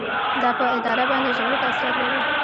دا په اداره باندې ژور تاثیرات لري.